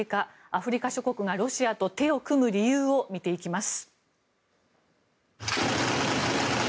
アフリカ諸国がロシアと手を組む理由を見ていきます。